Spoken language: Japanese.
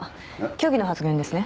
虚偽の発言ですね。